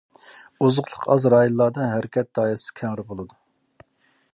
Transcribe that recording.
ئوزۇقلۇق ئاز رايونلاردا ھەرىكەت دائىرىسى كەڭرى بولىدۇ.